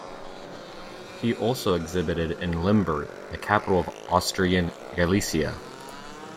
He also exhibited in Lemberg, the capital of Austrian Galicia.